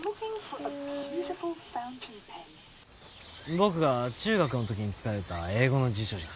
僕が中学の時に使ようった英語の辞書じゃ。